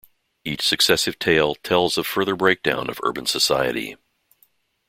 Each successive tale tells of further breakdown of urban society.